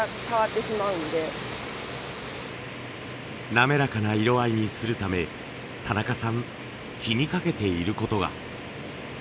滑らかな色合いにするため田中さん気にかけていることが。